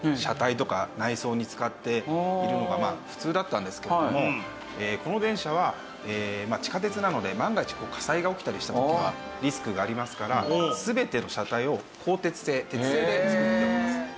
車体とか内装に使っているのが普通だったんですけれどもこの電車は地下鉄なので万が一火災が起きたりした時はリスクがありますから全ての車体を鋼鉄製鉄製でつくっております。